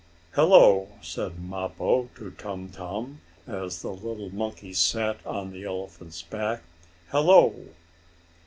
"Hello!" said Mappo to Tum Tum, as the little monkey sat on the elephant's back. "Hello!"